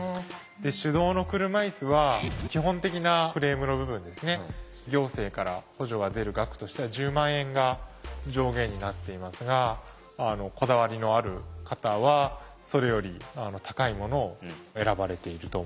で手動の車いすは基本的なフレームの部分ですね行政から補助が出る額としては１０万円が上限になっていますがこだわりのある方はそれより高いものを選ばれていると思いますね。